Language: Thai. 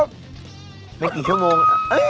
เป็นกี่ชั่วโมง